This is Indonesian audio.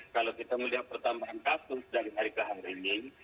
kalau kita melihat pertambahan kasus dari hari ke hari ini